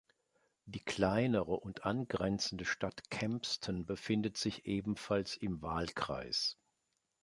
Die kleinere und angrenzende Stadt Kempston befindet sich ebenfalls im Wahlkreis.